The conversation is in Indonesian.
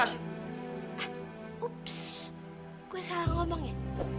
hah ups gue salah ngomong ya